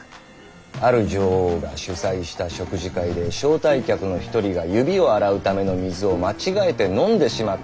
ある女王が主催した食事会で招待客の一人が指を洗うための水を間違えて飲んでしまったそうだ。